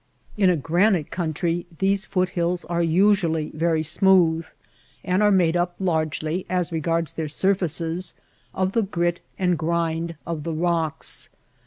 In a granite country these foot hills are usually very smooth, and are made up largely, as regards their surfaces, of the grit and grind of the rocks.